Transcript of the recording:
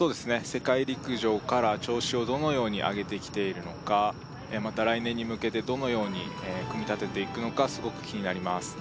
世界陸上から調子をどのように上げてきているのかまた来年に向けてどのように組み立てていくのかすごく気になります